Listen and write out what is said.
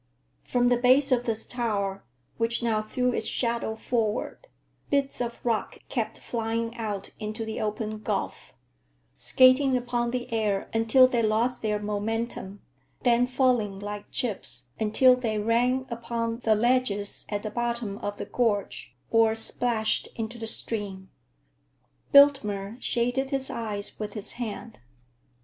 From the base of this tower, which now threw its shadow forward, bits of rock kept flying out into the open gulf—skating upon the air until they lost their momentum, then falling like chips until they rang upon the ledges at the bottom of the gorge or splashed into the stream. Biltmer shaded his eyes with his hand.